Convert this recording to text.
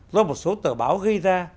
do một số tờ báo gây ra